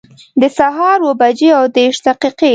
د سهار اووه بجي او دیرش دقیقي